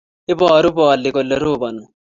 Iboru polik kole roboni.